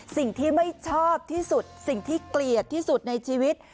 สิ่งที่ไม่ชอบที่สุดสิ่งที่เกลียดที่สุดในชีวิต